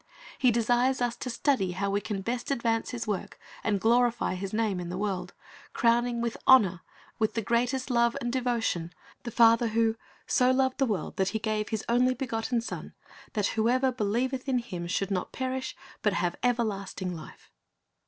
He desires us to study how we can best advance His work and glorify His name in the world, crowning with honor, wath the greatest love and devotion, the Father who "so loved the world, that He gave His only begotten Son, that whosoever believeth in Him should not perish, but have everlasting life."